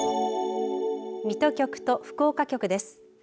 水戸局と福岡局です。